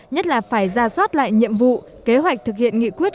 nhất là phải ra soát lại nhiệm vụ kế hoạch thực hiện nghị quyết một hai